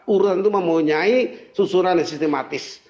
uruan itu mempunyai susunan yang sistematis